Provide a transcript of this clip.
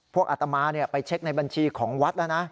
อัตมาไปเช็คในบัญชีของวัดแล้วนะ